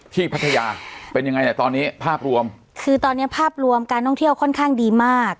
พัทยาเป็นยังไงเนี่ยตอนนี้ภาพรวมคือตอนเนี้ยภาพรวมการท่องเที่ยวค่อนข้างดีมาก